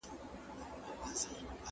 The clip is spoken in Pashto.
اوبه په ساینس کې د ژوند اساس دی.